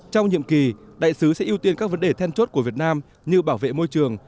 trong nhiệm kỳ đại sứ sẽ ưu tiên các vấn đề then chốt của việt nam như bảo vệ môi trường